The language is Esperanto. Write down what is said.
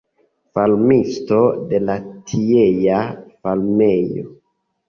Farmisto de la tiea farmejo.